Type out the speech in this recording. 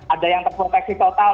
ada yang terproteksi total